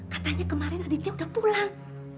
katanya kemarin aditya udah pulang